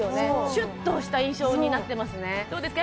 シュッとした印象になってますねどうですか？